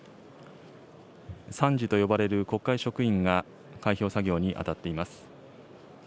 参事と呼ばれる国会職員が開票作業に当たっています。